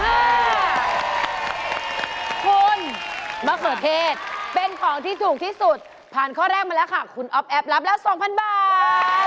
คุณมะเขือเทศเป็นของที่ถูกที่สุดผ่านข้อแรกมาแล้วค่ะคุณอ๊อฟแอปรับแล้ว๒๐๐บาท